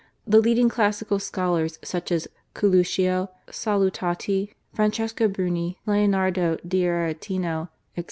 The leading classical scholars such as Coluccio, Salutati, Francesco Bruni, Lionardo d'Aretino, etc.